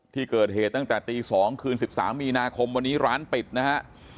ที่เกิดเหตุตั้งแต่ตี๒คืน๑๓มีนาคมวันนี้ร้านปิดนะฮะ